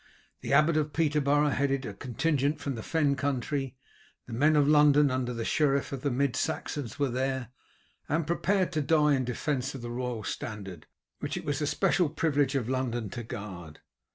The Abbot of Peterborough headed a contingent from the Fen Country; the men of London under the sheriff of the Mid Saxons were there, and prepared to die in defence of the royal standard, which it was the special privilege of London to guard.